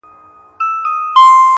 چي نه عقل او نه زور د چا رسېږي٫